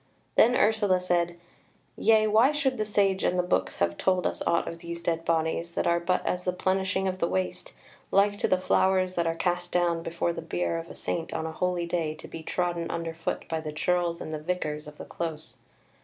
Then Ursula said: "Yea, why should the Sage and the books have told us aught of these dead bodies, that are but as the plenishing of the waste; like to the flowers that are cast down before the bier of a saint on a holy day to be trodden under foot by the churls and the vicars of the close.